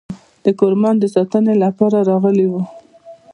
د کرمان د ساتنې لپاره راغلي وه.